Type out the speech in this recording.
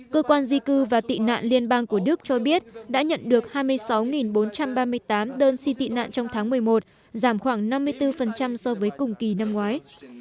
cơ quan di cư và tị nạn liên bang của đức cho biết đã nhận được hai mươi sáu bốn trăm ba mươi tám đơn xin tị nạn trong tháng một mươi một giảm khoảng năm mươi bốn so với cùng kỳ năm ngoái